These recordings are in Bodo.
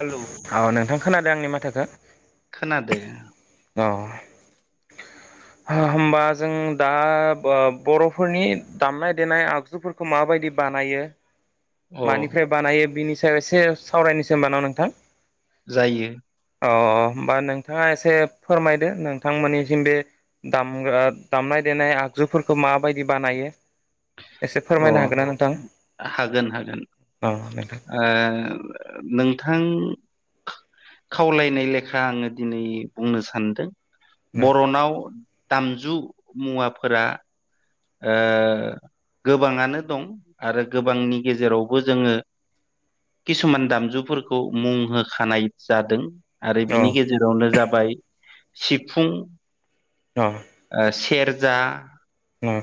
हेलौ औ नोंथां खोनादों आंनि माथोखौ? खोनादो। अ होमबा जों दा बर'फोरनि दामनाय देनाय आगजुफोरखौ माबायदि बानायो अ मानिफ्राय बानायो बिनि सायाव एसे सावरायनोसै ओमबा न' नोंथां। जायो। औ। होमबा नोंथाङा एसे फोरमायदो नोंथांमोननिथिं बे दामग्रा दामनाय देनाय आग - जुफोरखौ माबायदि बानायो एसे अ फोरमायनो हागोन ना नोंथां? हागोन ओ अ नोंथां नोंथां खावलायनाय लेखा आङो दिनै बुंनो सानदों। बर'नाव दामजु मुवाफोरा ओ गोबाङानो दं आरो गोबांनि गेजेरावबो जोङो किसुमान दामजुफोरखौ मुं होखानाय जादों। आरो अ बिनि गेजेरावनो जाबाय सिफुं औ ओ सेरजा नं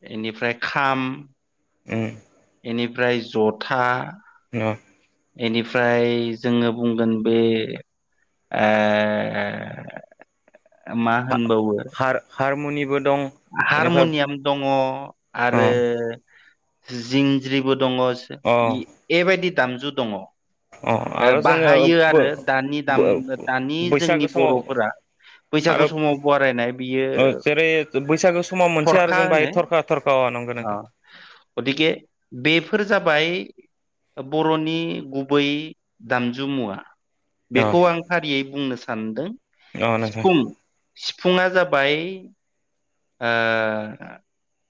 बेनिफ्राय खाम उम बेनिफ्राय जथा बेनिफ्राय जोङो बुंगोन बे ए मा होनबावो हारमनिबो हारमनियाम दङ अ आरो जिंज्रिबो दङ अ एबायदि दामजु दङ अ आरो जोङो बाहायो बो आरो दानि बो दाम दानि बैसागो जोंनि समाव बर'फोरा बैसागु आरो समाव बरायनाय बियो ओ जेरै बैसागो समाव मोनसे आरो थरखा जों बाहाय होनो थरखा थरखा नंगौ अ नोंथां गथिखे बे बेफोर जाबाय बर'नि गुबै दामजुुमुवा अ बेखौ आं फारियै बुंनो सानदों अ नंगौ सिफुं सिफुङा जाबाय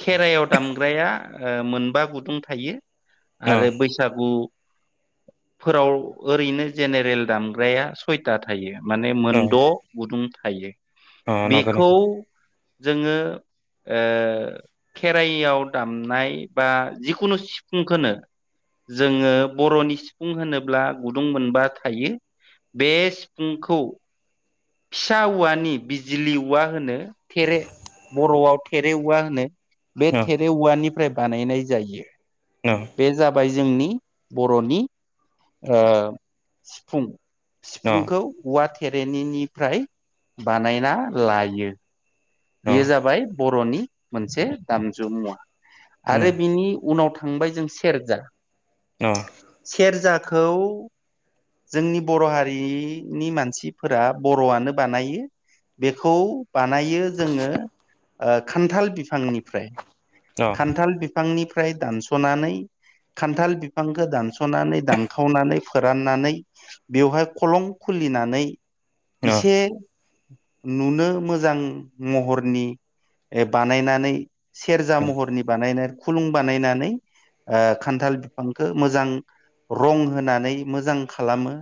खेराइायाव दामग्राया मोनबा गुदुं थायो अ आरो बैसागु फोराव ओरैनो जेनेरेल दामग्राया सयथा थायो माने मोनद' गुदुं थायो अ नंग बेखौ नथौ जोङो ओ खेराइयाव दामनाय बा जिखुनु सिफुंखौनो जोङो बर'नि सिफुं होनोब्ला गुदुं मोनबा थायो बे सिफुंखौ फिसा औवानि बिजुलि औवा होनो थेरे बर'आव थेरेववा होनो बे अ थेरेववानिफ्राय बानायनाय जायो अ बे जाबाय जोंनि बर'नि सिफुं अ सिफुंखौ औवा थेरेनिनिफ्राय बानायना लायो बेयो जाबाय बर'नि मोनसे दामजु मुवा उम आरो बिनि उनाव थां थांबाय जों सेरजा अ सेरजाखौ जोंनि बर' हारिनि मानसिफोरा बर'आनो बानायो बेखौ बानायो जोङो खान्थाल बिफांनिफ्राय अ खान्थाल बिफांनिफ्राय दानस'नानै खान्थाल बिफांखौ दानस'नानै दानखावनानै फोराननानै बेवहाय खं खुलि सुलिनानै अ इसे नुनो मोजां महरनि बानायनानै सेरजा महरनि बानायनानै खुलुं बानायनानै खान्थाल बिफांखौ मोजां रं होनानै मोजां खालामो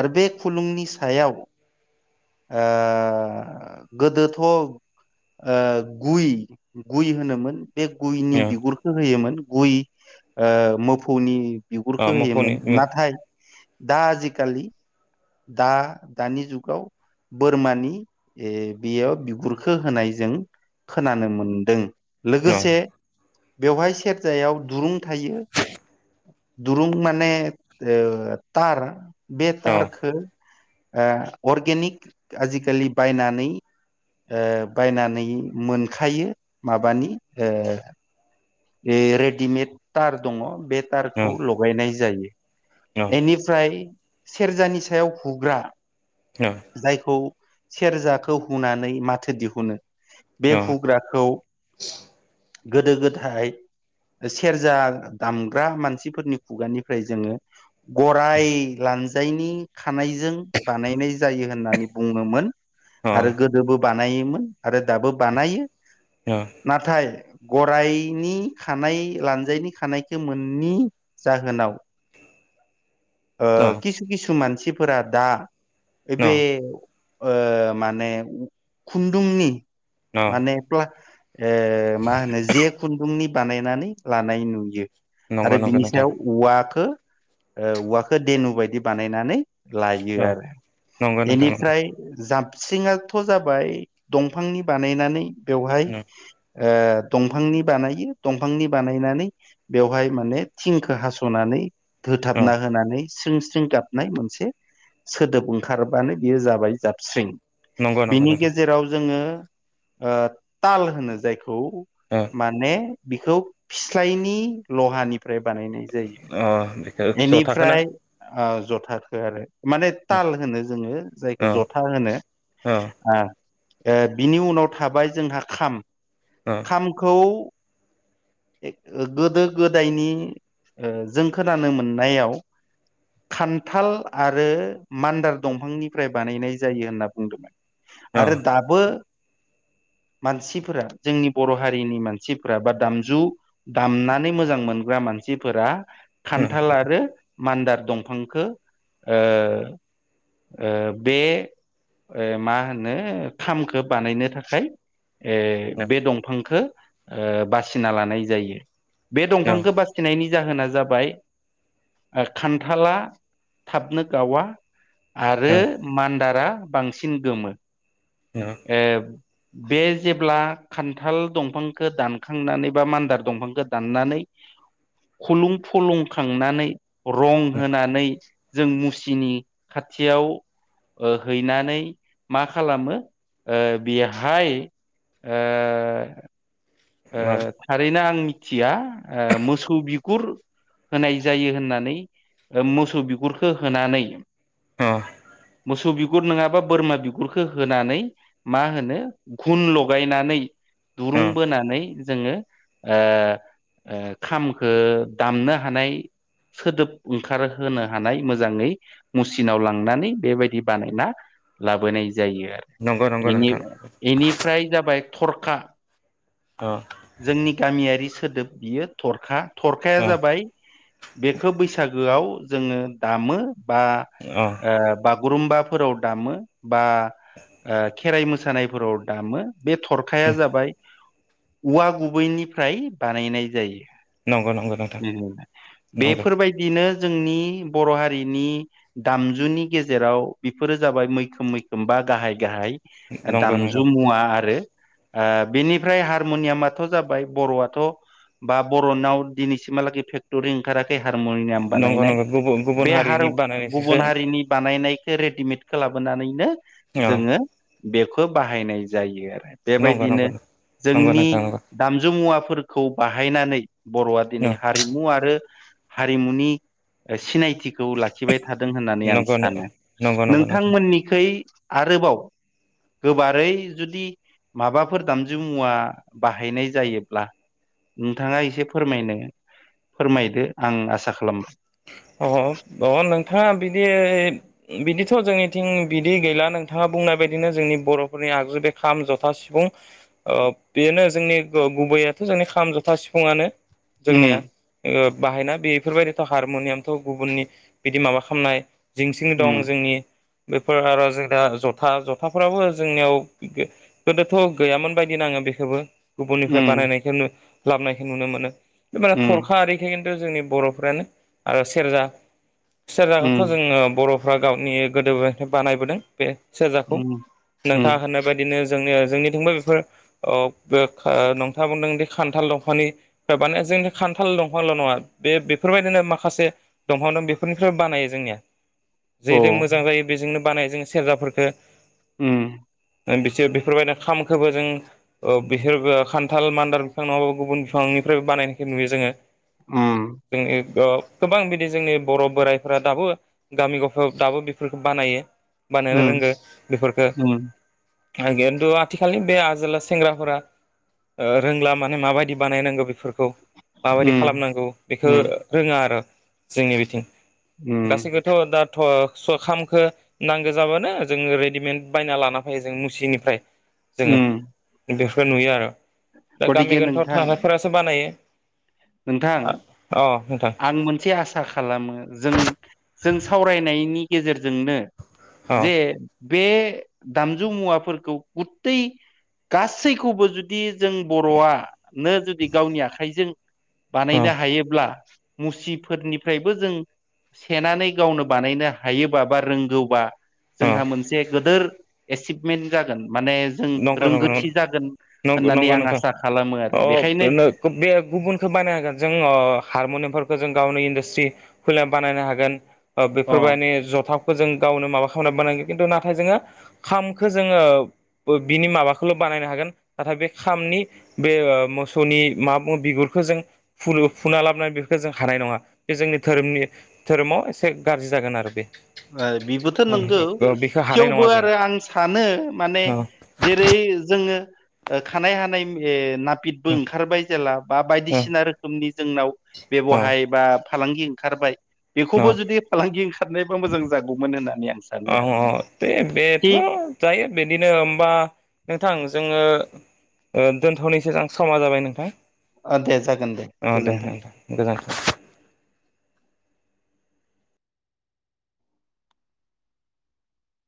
आरो बे खुलुंनि सायाव गोदो थ गुइ गुइ होनोमोन बे गुयनि बिगुरखौ होयोमोन गुइ मोफौनि अ बिगुरखो मोफौनि होयोमोन मो नाथाय दा आजिखालि दा दानि जुगाव बोरमानि बेयाव बिगुरखो होनाय जों खोनानो मोनदों अ लोगोसे बेवहाय सेरजायाव दुरुं थायो दुरं माने ओ तार बे अ तारखौ ओ अर्गेनिक आजिखालि बायनानै ओ बायनानै मोनखायो माबानि ओ ए रेडिमेड तार दङ बे अ खौ लगायनाय जायो अ बेनिफ्राय सेरजानि सायाव हुग्रा जायखौ सेरजाखौ हुनानै माथो दिहुनो बे अ हुग्राखौ गोदो गोदाय सेरजा दामग्रा मानसिफोरनि खुगानिफ्राय जोङो गराय लानजायनि खानायजों बानायनाय जायो होननानै बुङोमोन अ आरो गोदोबो बानायोमोन आरो दाबो बानायो। अ नथाय गरायनि खानाय लान्जायनि खानायखौ मोननि जाहोनाव ओ खिसु खिसु मानसिफोरा दा ऐ बे ओ माने खुन्दुंनि माने प्ला ऐ माहोनो जे खुन्दुंनि बानायनानै लानाय नुयो नंगौ आरो नंगौ बिनि नोंथां सायाव औवखौ ओ औवाखौ देनु बायदि बानायनानै लायो अ आरो नंगौ नोंथां नंगौ एनिफ्राय जाम स्रिङथ' जाबाय दंफांनि बानायनानै बेवहाय ओ दंफांनि बानायो दंफांनि बानायनानै बेवहाय माने थिंखौ हास'नानै अ होथाबना होनानै स्रिं स्रिं गाबनाय मोनसे सोदोब ओंखारबानो बेयो जाबाय जाबस्रिं नंगौ नंगौ बिनि नोंथां गेजेराव जोङो ताल ओ होनो जाय खौ ओ माने बिखौ फस्लनि ल'हानि फ्राय बानायनाय जायो। ओ स' थाखोना बेनिफ्राय ओ जथाखो आरो माने औ ताल होनो जोङो जायखौ औ जथा होनो औ ओ ए बिनि उनाव थाबाय जोंहा खाम औ खामखौ गोदो गोदायनि ओ जों खोनानो मोननायाव खान्थाल आरो मान्दार दंफांनिफ्राय बानायनाय जायो होनना बुंदोंमोन। आरो दाबो [inaudible] मानसिफोरा जोंनि बर' हारिनि मानसिफोरा बा दामजु दामनानै मोजां मोन ग्रा मानसिफोरा खान्थाल आरो मान्दार दंफांखौ ओ ओ बे ओ माहोनो खामखौ बानायनो थाखाय ए बे दंफांखौ ओ बासिना लानायजायो। बे दंफांखौ बासिनायनि जाहोना जाबाय खान्थाला थाबनो गावा आरो औ मान्दारा बांसिन गोमो। बे जेब्ला खान्थाल दंफांखौ दानखांनानै बा मान्दार दंफांखौ दाननानै [inaudible] खुलुं फलुंखांनानै रं होनानै जों मुसिनि खाथियाव ओ हैनानै मा खालामो ओ बेहाय ओ ओ थारैनो आंनि मोथिया ओ मोसौ बिगुर होनाय जायो होननानै मोसौ बिगुरखौ होनानै मोसुबि गुर नङाबा बोरमा बिगुरखौ होनानै मा होनो घुन लगायनानै औ दुरुं बोना जोङो ओ ओ खामखौ दामनो हानाय सोदोब ओंखारहोनो हानाय मोजाङै मुसिनाव लांनानै बेबायदि बानायना लाबोनाय जायो आरो, नंगौ नंगौ एनि नोंथां एनिफ्राय जाबाय थरखा औ जोंनि गामियारि सोदोब बियो थरखा थरखाया औ जाबाय बेखौ बैसागोआव जोङो दामो। बा औ ओ बागुरुम्बाफोराव दामो बा ओ खेराइ मोसानायफोराव दामो बे थरखाया जाबाय औवा गुबैनिफ्राय बानायनाय नंगौ नंगौ नोंथां जायो। नंगौ बेफोरबायदिनो जोंनि बर' हारिनि दामजुनि गेजेराव बेफोरो जाबाय मैखोम मैखोम बा गाहाय गाहाय नंगौ नंगौ दामजु मुवा आरो ओ बेनिफ्राय हारमुनियामाथ' जाबाय बर'आथ' बा बर'नाव दिनैसिमहालागै फेक्टरि ओंखाराखै से हारमुनियाम नंगौ बानायनाय नंगौ गुबुन गुबुन बे हार हारिनि बानायनायसोसो गुबुन हारिनि बानायनाय रेडिमेडखो लाबोनानैनो औ जोंङो बेखौ बाहायनाय जायो, आरो नंगौ बेबायदिनो नंगौ नंगौ जोंनि नोंथां नंगौ दामजुुमुवाफोरखौ बाहायनानै बर'वा दिनै नंगौ हारिमु आरो हारिमुनि सिनाय थिखौ लाखिबाय थादों होननानै आं नंगौ सानो, नंगौ नंगौ नोंथां नोंथांमोननिखै आरोबाव गोबारै जुदि माबाफोर दामजु मुवा बाहायनाय जायोब्ला नोंथांङा एसे फोरमायनो फोरमायदो आं आसा खालामबाय, अ अ नोंथांङा बिदि बिदिथ' जोंनिथिं बिदि गैला नोंथांङा बुंनाय बायदिनो जोंनि बर'फोरनि आगजु बे खाम, जथा, सिफुं, ओ बेनो जोंनि ओ गुबुं बैयाथ' जोंनि खाम, जथा सिफुंआनो उम जोंनिया ओ बाहायना बेफोरबायदिथ' हारमनियाम थ'' गुबुननि बिदि माबा खामनाय जिंसिं उम दं जोंनि। बेफोर आरो जोंना जथा, जथाफोराबो जोंनियाव गो-गोदोथ' गैयामोन बादि नांङो बेखौबो गुबुननिफ्राय उम बानायनायखो लाबनायखो नुनो मोनो बे माने उम थरखा आरिखो जोंनि बर'फोरानो आरो सेर्जा सेरजाखौथ' जोंङो बर' फोरा गावनि गोदो बानायबोदों बे सेरजाखौ नोंथांङा होननाय बायदिनो जों जोंनिथिंबो बेफोर ओ बे आ नोंथांङा बुंदों खान्थाल दंफांनि [inaudible] जोंनि खान्थाल दंफांल' नंङा बे-बेफोरबायदिनो माखा से दंफां दं बेफोरनिफ्रायबो बानायो जोंनिया जेदों मोजां जायो, बेजोंनो बानायो, जों सेर्जाफोरखो उम बिसोर बेफोरबायदिनो खामखोबो जों ओ बिसोरबो खान्थाल, मान्दार बिफां नंङाबो गुबुन बिफां फ्रायबो बानायनायखौ नुयो, जोंनि बे गोबां बिदि जोंनि बर' बोराइफोरा दाबो गामि ग'फायाव दाबो बेफोरखौ बानायो‌। बानायनो रोंगो बेफोरखो किनतु आथिखालनि बे आजोला सेंग्राफोरा ओ रोंला माने माबायदि बानायनांगौ बेफोर खौ औ माबायदि खालामनांगौ बेखौ रोंङा आरो जोंनि बिथिं गासैखौथ' दाथ' स खामखो नांगो जाबानो जोंङो रेडिमेड बायना लाना फै जों मुसिनिफ्राय जोंङो बेफोरखौ नुयो आर' दा गामि गतिके गोनथाव नोंथां थाग्राफोरासो बानायो नोंथां अ नोंथां आं मोनसे आ आसा खालामो जों-जों सावरायनायनि गेजेरजोंनो अ जे बे दामजु मुवाफोरखौ गुतै गासैखौबो जुदि जों बर'आ नो जुदि गावनि आखाइजों अ बानायनो हायोब्ला, मुसिफोरनिफ्रायबो जों सेनानै गावनो बानायनो हायोबा, बा रोंगौबा, अ जोंहा मोनसे गिदोर एसिभमेन्ट जागोन। माने जों नंगौ नंगौ नंगौ रोंगोथि जागोन नंगौ होननानै नंगौ आं नोंथां आसा खालामो आरो अ बेखायनो बे गुबुनखौ बानायनो हागोन जों अ हारम'नियामफोरखौ जों गावनि इन्डास्ट्रि खुलिनानै बानायनो हागोन। अ बेफोरबायदि जथा खौ जों गावनो माबा खालामनानै बानायो खिन्थु नाथाय जोंङो खामखो जोंङो, बिनि माबाखौल' बानायनो हागोन नाथाय बे खामनि बे मोसौनि माबा बुङो बिगुरखो, जों फु-फुना लाबोनानै बेफोरखौ जों हानाय नंङा बे जोंनि धोरोमनि धोरोमाव एसे गाज्रि जागोन आरो बे, बेबोथ' नंगौ बेखौ हानाय थेवबो नङा जों आरो आं सानो, माने औ जेरै जोंङो ओ खानाय हानाय ओ ना नापितबो ओंखारबाय जेला बा बायदिसिना औ रोखोमनि जोंनाव औ बेब'हाय बा फालांगि ओंखारबाय बेखौबो औ जुदि फालांगि ओंखारनाय मोजां जागौमोन होननानै आं सानो आरो अ' दे बेथ' थिग जायो बिदिनो ओमबा नोंथां, जोङो ओ दोनथ'नो सैजां समा जाबाय नोंथां दे जागोन औ दे गोजोन्थों नोंथां गोजोनथों